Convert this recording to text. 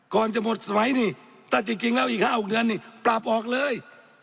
ก่อนจะหมดสมัยตั้งแต่จากกินเรามี๕ด้วยเติมออกก็ปรับออกเลย